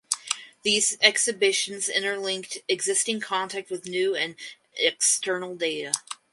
These exhibitions interlinked existing content with new and external data.